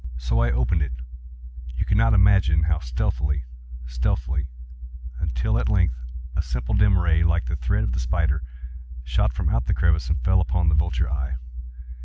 So I opened it—you cannot imagine how stealthily, stealthily—until, at length a simple dim ray, like the thread of the spider, shot from out the crevice and fell full upon the vulture eye.